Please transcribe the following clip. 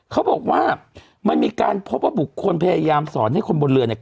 เขาบอกว่ามันมีการพบว่าบุคคลพยายามสอนให้คนบนเรือเนี่ย